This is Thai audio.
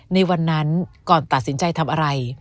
ในวันนั้นก่อนตัดสินใจทำอะไร